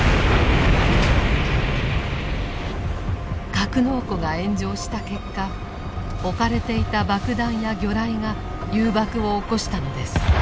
格納庫が炎上した結果置かれていた爆弾や魚雷が誘爆を起こしたのです。